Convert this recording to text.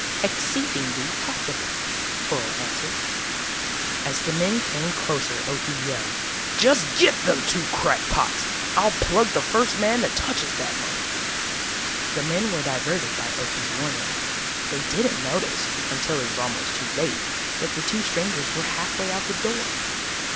_" "Exceed ing ly possible," Toryl answered. As the men came closer Okie yelled, "Just get them two crackpots! I'll plug the first man that touches that money!" The men were diverted by Okie's warning. They didn't notice, until it was almost too late, that the two strangers were halfway out the door.